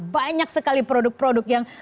banyak sekali produk produk yang memang diproduksi